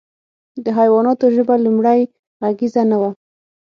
د حیواناتو ژبه لومړۍ غږیزه نه وه.